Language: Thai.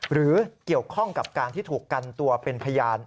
หรือเกี่ยวข้องกับการที่ถูกกันตัวเป็นพยาน